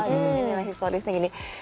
ini lah historisnya gini